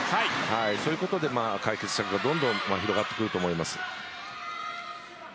そういうことで解決策がどんどん広がってくると思います。